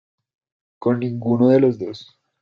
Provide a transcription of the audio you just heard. con ninguno de los dos.